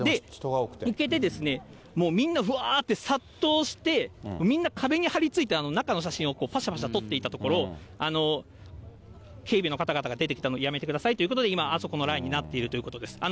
行けて、もうみんなばーって殺到して、みんな、壁に張り付いて、中の写真をぱしゃぱしゃ撮っていたところ、警備の方々が出てきて、やめてくださいということで、今、あそこのラインになっているということです。